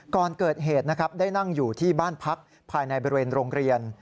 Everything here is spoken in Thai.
ก่อนเกิดเหตุนะครับได้นั่งอยู่ที่บ้านพักภายในบริเวณโรงเรียน